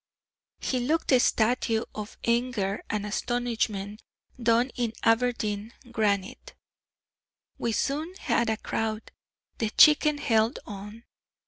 He looked a statue of anger and astonishment, done in Aberdeen granite. We soon had a crowd; the Chicken held on.